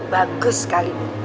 bagus sekali bu